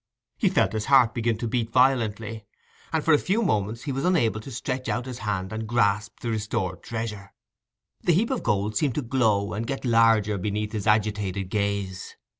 He felt his heart begin to beat violently, and for a few moments he was unable to stretch out his hand and grasp the restored treasure. The heap of gold seemed to glow and get larger beneath his agitated gaze.